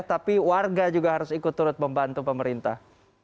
tapi warga juga harus ikut turut membantu pemerintah